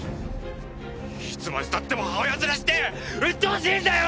いつまで経っても母親面してうっとうしいんだよ！